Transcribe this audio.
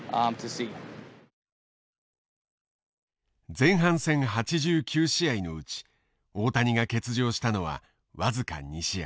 前半戦８９試合のうち大谷が欠場したのは僅か２試合。